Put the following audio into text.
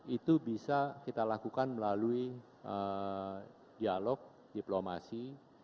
itu bisa kita lakukan melalui dialog diplomasi